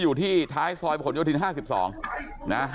อยู่ที่ท้ายซอยบะพรนไมโยดทิน